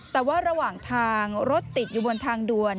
แต่ว่าระหว่างทางรถติดอยู่บนทางด่วน